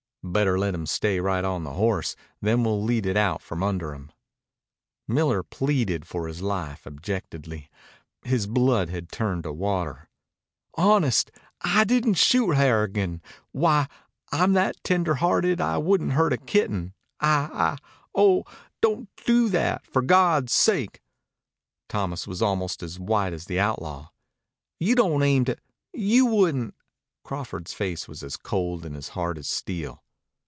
"Better let him stay right on the horse, then we'll lead it out from under him." Miller pleaded for his life abjectly. His blood had turned to water. "Honest, I didn't shoot Harrigan. Why, I'm that tender hearted I wouldn't hurt a kitten. I I Oh, don't do that, for God's sake." Thomas was almost as white as the outlaw. "You don't aim to you wouldn't " Crawford's face was as cold and as hard as steel.